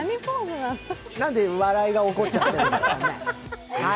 何で笑いが起こっちゃってるんですかね。